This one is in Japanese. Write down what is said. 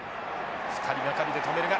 ２人掛かりで止めるが強い。